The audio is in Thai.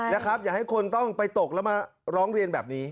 อย่าให้คนต้องไปตกแล้วมาร้องเรียนแบบนี้